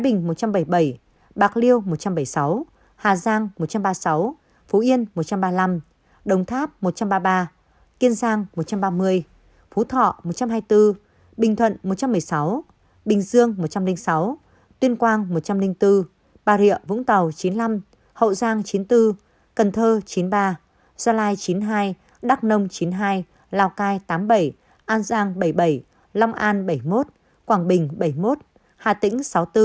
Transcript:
bình một trăm bảy mươi bảy bạc liêu một trăm bảy mươi sáu hà giang một trăm ba mươi sáu phú yên một trăm ba mươi năm đồng tháp một trăm ba mươi ba kiên giang một trăm ba mươi phú thọ một trăm hai mươi bốn bình thuận một trăm một mươi sáu bình dương một trăm linh sáu tuyên quang một trăm linh bốn bà rịa vũng tàu chín mươi năm hậu giang chín mươi bốn cần thơ chín mươi ba gia lai chín mươi hai đắk nông chín mươi hai lào cai tám mươi bảy an giang bảy mươi bảy long an bảy mươi một quảng bình bảy mươi một hà tĩnh sáu mươi bốn